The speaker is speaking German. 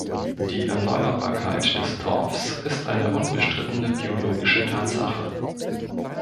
Die Erneuerbarkeit des Torfs ist eine unbestrittene biologische Tatsache.